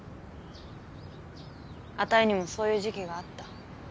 あたいにもそういう時期があった。